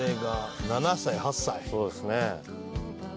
そうですね。